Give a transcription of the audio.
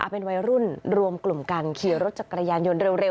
เป็นวัยรุ่นรวมกลุ่มกันขี่รถจักรยานยนต์เร็ว